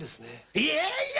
いやいや！